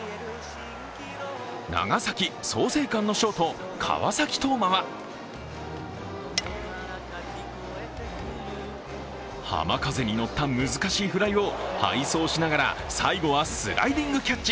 長崎・創成館のショート、川崎統馬は浜風に乗った難しいフライを背走しながら、最後はスライディングキャッチ。